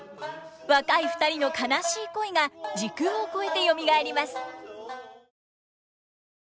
若い２人の悲しい恋が時空を超えてよみがえります。